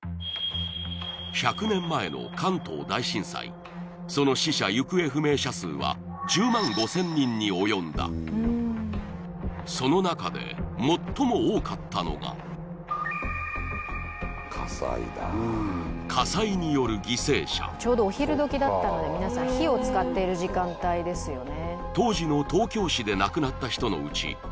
１００年前のその死者行方不明者数は１０万５０００人に及んだその中で最も多かったのが火災による犠牲者ちょうどお昼どきだったので皆さん火を使っている時間帯ですよね